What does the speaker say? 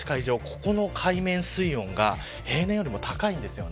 ここの海面水温が平年よりも高いです。